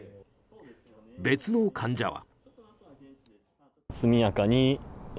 別の患者は。